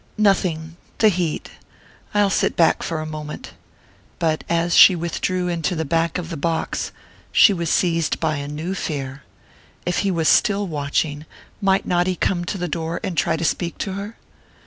"Nothing the heat I'll sit back for a moment." But as she withdrew into the back of the box, she was seized by a new fear. If he was still watching, might he not come to the door and try to speak to her?